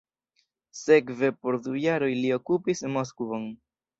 Sekve por du jaroj li okupis Moskvon.